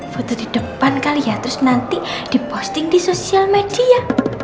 foto di depan kali ya terus nanti diposting di sosial media